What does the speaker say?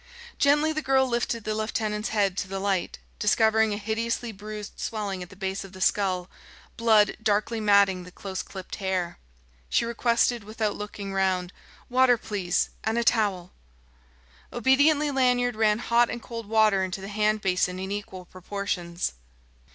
Gently the girl lifted the lieutenant's head to the light, discovering a hideously bruised swelling at the base of the skull, blood darkly matting the close clipped hair. She requested without looking round: "Water, please and a towel." Obediently Lanyard ran hot and cold water into the hand basin in equal proportions.